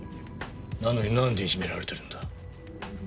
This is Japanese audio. なのになんでいじめられてるんだ？